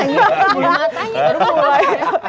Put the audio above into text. gue mau nanya baru mulai